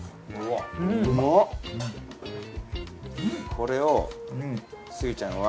これをスギちゃんは。